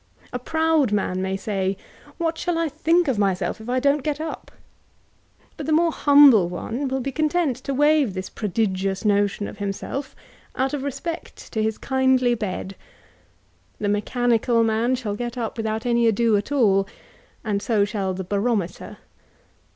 A proud man may say, "What shall I think of myself, if I don't get up?" but the more humble one will be content to waive this prodigious notion of himself, out of respect to his kindly bed. The mechanical man shall get up without any ado at all ; and so shall the barometer.